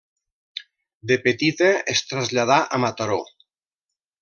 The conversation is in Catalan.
De petita es traslladà a Mataró.